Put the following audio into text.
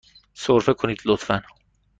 سرفه کنید، لطفاً.